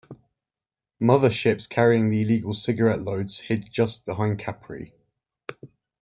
Mother ships carrying the illegal cigarette loads hid just behind Capri.